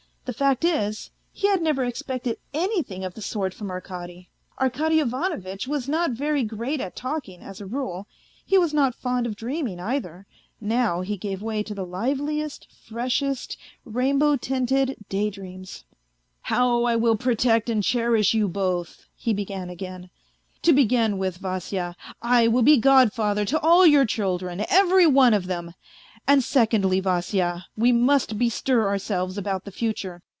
Tim fact is, he had never expected anything of the sort from Arkady. Arkady Ivanovitch was not very great at talking as a rule, he was not fond of dreaming, either ; now he gave way to A FAINT HEART 173 the liveliest, freshest, rainbow tinted day dreams. " How I will protect and cherish you both," he began again. " To begin with, Vasya, I will be godfather to all your children, every one of them ; and secondly, Vasya, we must bestir ourselves about the future.